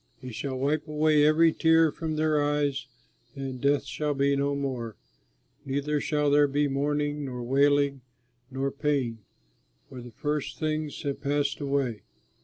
He shall wipe away every tear from their eyes, and death shall be no more; neither shall there be mourning nor wailing, nor pain, for the first things have passed away."